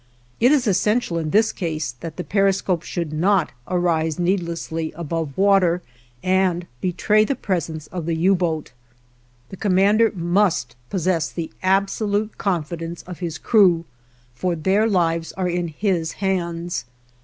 It is essential in this case that the periscope should not arise needlessly above water and betray the presence of the U boat. The commander must possess the absolute confidence of his crew, for their lives are in his hands.